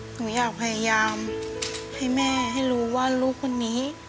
หนูอยากพยายามให้แม่ให้รู้ว่าลูกคนนี้